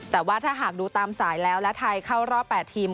แต่ว่าถ้าหากดูตามสายแล้วและไทยเข้ารอบ๘ทีม